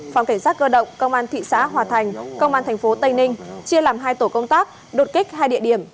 phòng cảnh sát cơ động công an thị xã hòa thành công an tp tây ninh chia làm hai tổ công tác đột kích hai địa điểm